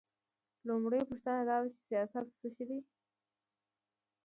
لومړۍ پوښتنه دا ده چې سیاست څه شی دی؟